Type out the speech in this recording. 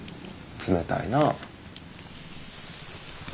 冷たいな。